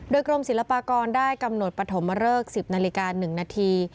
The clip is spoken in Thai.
โดยกรมศิลปากรได้กำหนดปฐมเริก๑๐นาฬิกา๑นาที